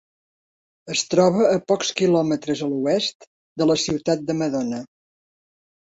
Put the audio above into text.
Es troba a pocs quilòmetres a l'oest de la ciutat de Madona.